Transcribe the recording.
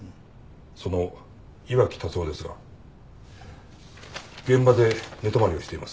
その岩城達夫ですが現場で寝泊まりをしています。